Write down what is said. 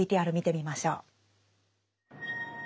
ＶＴＲ見てみましょう。